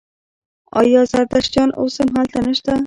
آیا زردشتیان اوس هم هلته نشته؟